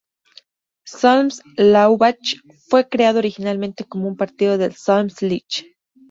Solms-Laubach fue creado originalmente como una partición de Solms-Lich.